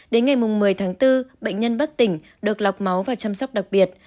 đến ngày một mươi tháng bốn bệnh nhân bất tỉnh được lọc máu và chăm sóc đặc biệt